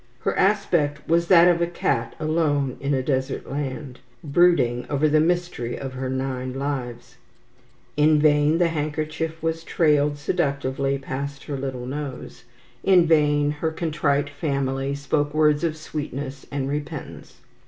Her aspect was that of a cat alone in a desert land, brooding over the mystery of her nine lives. In vain the handkerchief was trailed seductively past her little nose, in vain her contrite family spoke words of sweetness and repentance.